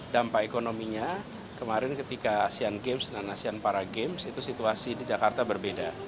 dampak ekonominya kemarin ketika asean games dan asean para games itu situasi di jakarta berbeda